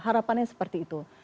harapannya seperti itu